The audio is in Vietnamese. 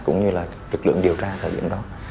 cũng như lực lượng điều tra thời điểm đó